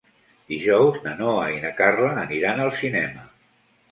Dijous na Noa i na Carla aniran al cinema.